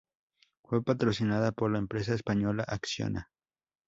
Fue patrocinada por la empresa española Acciona.